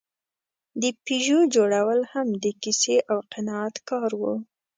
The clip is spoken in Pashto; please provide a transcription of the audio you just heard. د پيژو جوړول هم د کیسې او قناعت کار و.